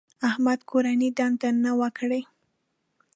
احمد کورنۍ دنده نه وه کړې.